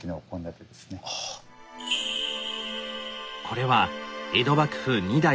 これは江戸幕府２代